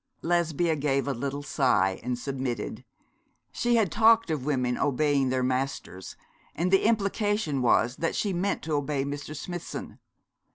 Lesbia gave a little sigh, and submitted. She had talked of women obeying their masters; and the implication was that she meant to obey Mr. Smithson.